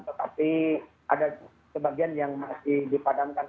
tetapi ada sebagian yang masih dipadamkan